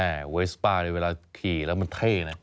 เอ่อเวสป้าเวลาขี่แล้วมันเท่นะ